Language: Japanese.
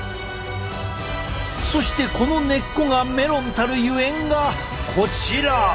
そしてこの根っこがメロンたるゆえんがこちら。